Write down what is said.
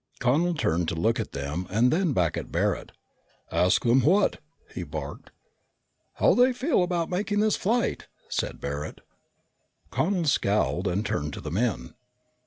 Connel turned to look at them, then back at Barret. "Ask them what?" he barked. "How they feel about making this flight," said Barret. Connel scowled and turned to the men.